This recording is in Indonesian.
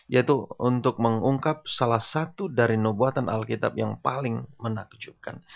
yaitu untuk mengungkap salah satu dari nobatan alkitab yang paling menakjubkan